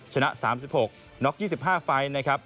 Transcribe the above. ชนะ๓๖น็อก๒๕ไฟล์นะครับ